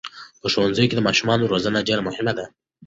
په ښوونځي کې د ماشومانو روزنه ډېره مهمه ده.